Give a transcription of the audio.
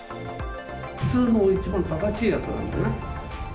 普通の一番正しいやつなんだよな。